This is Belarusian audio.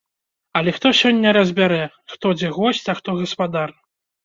Але хто сёння разбярэ, хто дзе госць, а хто гаспадар.